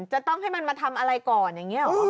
จะต้องให้มันมาทำอะไรก่อนอย่างนี้หรอ